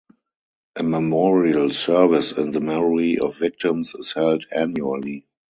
A memorial service in the memory of victims is held annually.